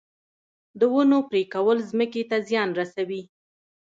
د ونو پرې کول ځمکې ته زیان رسوي